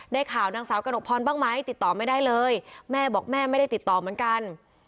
ได้ข่าวนางสาวกระหนกพรบ้างไหมติดต่อไม่ได้เลยแม่บอกแม่ไม่ได้ติดต่อเหมือนกัน